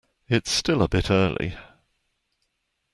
It's still a bit early.